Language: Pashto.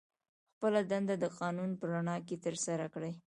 خپله دنده د قانون په رڼا کې ترسره کړي.